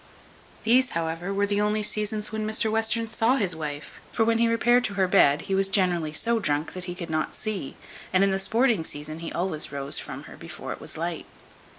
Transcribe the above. These, however, were the only seasons when Mr Western saw his wife; for when he repaired to her bed, he was generally so drunk that he could not see; and in the sporting season he always rose from her before it was light.